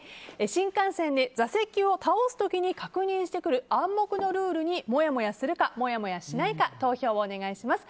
新幹線で座席を倒す時に確認してくる暗黙のルールにもやもやするかしないか投票をお願いします。